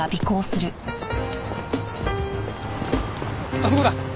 あそこだ。